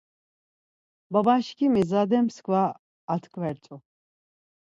Babaşǩimi zade msǩva atxvert̆u.